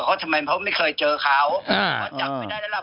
เพราะทำไมเขาไม่เคยเจอเขาก็จับไม่ได้แล้วล่ะ